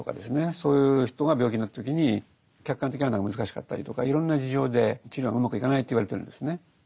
そういう人が病気になった時に客観的判断が難しかったりとかいろんな事情で治療がうまくいかないと言われてるんですね。